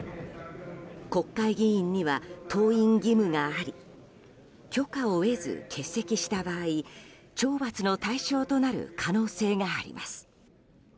国会議員には登院義務があり許可を得ず欠席した場合懲罰の対象となる可能性があります。